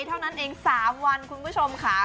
เท่านั้นเอง๓วันคุณผู้ชมค่ะ